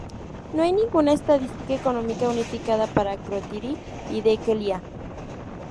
No hay ninguna estadística económica unificada para Acrotiri y Dhekelia.